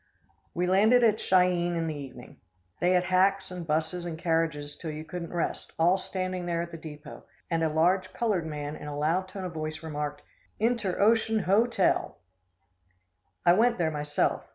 We landed at Chi eene in the evening. They had hacks and 'busses and carriages till you couldn't rest, all standing there at the depot, and a large colored man in a loud tone of voice remarked: "INTEROCEAN HO TEL!!!!" [Illustration: A REAL COWBOY.] I went there myself.